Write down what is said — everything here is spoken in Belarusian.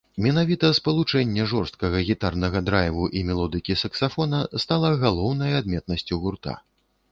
Менавіта спалучэнне жорсткага гітарнага драйву і мелодыкі саксафона стала галоўнай адметнасцю гурта.